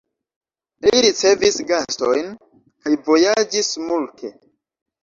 Li ricevis gastojn kaj vojaĝis multe.